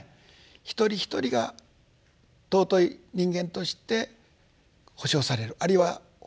一人一人が尊い人間として保障されるあるいは誇りを持つ。